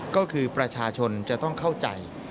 ก็คือประชาชนจะต้องเข้าใจ